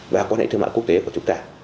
và quan hệ thương mại quốc tế của chúng ta